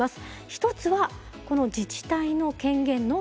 一つはこの自治体の権限の強化。